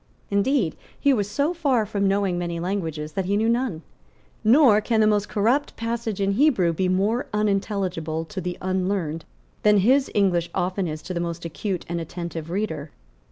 Indeed, he was so far from knowing many languages, that he knew none; nor can the most corrupt passage in Hebrew be more unintelligible to the unlearned than his English often is to the most acute and attentive reader.